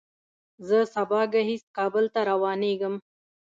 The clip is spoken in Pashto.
زه سبا ګهیځ کابل ته روانېږم.